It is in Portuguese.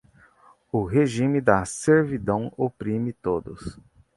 o regime da servidão oprimia todos